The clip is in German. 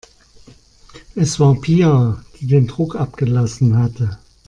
Es war Pia, die den Druck abgelassen hatte.